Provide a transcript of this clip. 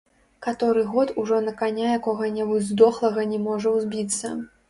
Каторы год ужо на каня якога-небудзь здохлага не можа ўзбіцца.